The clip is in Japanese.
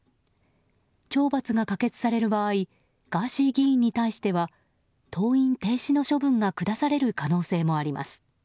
懲罰が可決される場合ガーシー議員に対しては登院停止の処分が下される可能性もあります。